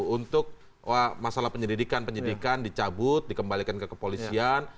untuk masalah penyelidikan penyidikan dicabut dikembalikan ke kepolisian